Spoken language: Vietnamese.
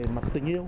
mặt tình yêu